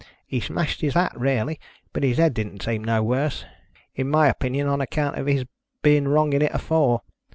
He smashed his hat rarely, but his head didn't seem no worse — in my opinion on account of his being wrong in it afore.